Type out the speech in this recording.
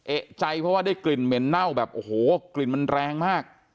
เอกใจเพราะว่าได้กลิ่นเหม็นเน่าแบบโอ้โหกลิ่นมันแรงมาก